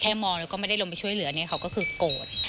มองแล้วก็ไม่ได้ลงไปช่วยเหลือเนี่ยเขาก็คือโกรธ